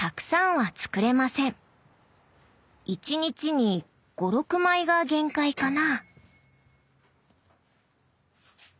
１日に５６枚が限界かな。